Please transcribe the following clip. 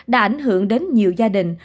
đã ảnh hưởng đến nhiều gia đình